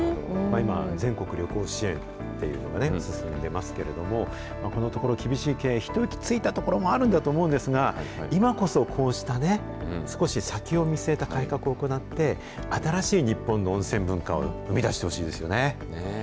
今、全国旅行支援っていうのが進んでますけれども、このところ、厳しい経営、一息ついたところもあると思うんですが、今こそこうしたね、少し先を見据えた改革を行って、新しい日本の温泉文化を生み出してほしいですよね。